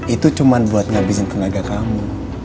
itu cuma buat ngabisin tenaga kamu